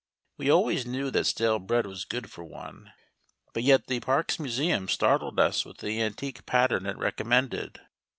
We always knew that stale bread was good for one, but yet the Parkes Museum startled us with the antique pattern it recommended.